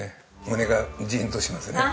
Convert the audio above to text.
胸がジーンとしますね。